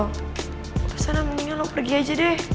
mas anang minggir lo pergi aja deh